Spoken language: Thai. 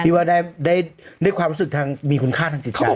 ว่าได้ด้วยความรู้สึกทางมีคุณค่าทางจิตใจ